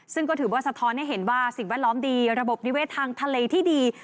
ซึ่งก็ถือว่าสะท้อนให้เห็นว่าสิ่งแวดล้อมดีระบบนิเวศทางทะเลที่ดี